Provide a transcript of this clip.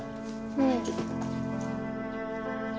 うん？